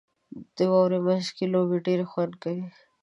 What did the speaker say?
• د واورې مینځ کې لوبې ډېرې خوند کوي.